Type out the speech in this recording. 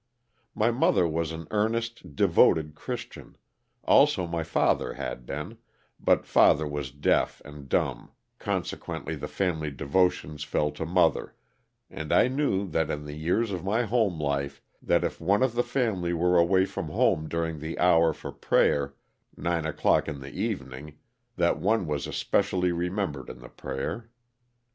My mother was an earnest devoted Christian, also my father had been, but father was deaf and dumb con sequently the family devotions fell to mother, and I knew that in the years of my home life, that if one of the family were away from home during the hour for prayer, nine o'clock in the evening, that one was especially remembered in the prayer.